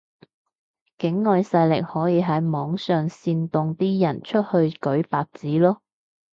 境外勢力可以喺網上煽動啲人出去舉白紙囉